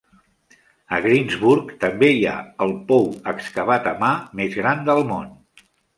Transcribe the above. A Greensburg també hi ha el pou excavat a mà més gran del món.